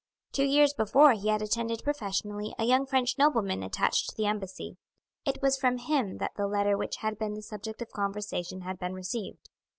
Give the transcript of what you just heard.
Two years before he had attended professionally a young French nobleman attached to the embassy. It was from him that the letter which had been the subject of conversation had been received.